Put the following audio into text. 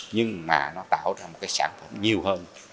nhưng mà nó tạo ra một cái sản phẩm nhiều hơn